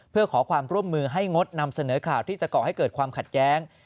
เพื่อขอความร่วมมือให้งดนำเสนอข่าวที่จะก่อให้เกิดความขัดแย้ง